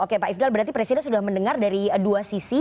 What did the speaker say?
oke pak ifdal berarti presiden sudah mendengar dari dua sisi